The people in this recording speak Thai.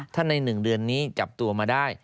ถ้าใน๑เดือนนี้จับตัวมาได้